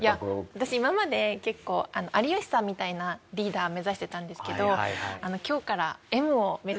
私今まで結構有吉さんみたいなリーダー目指してたんですけど。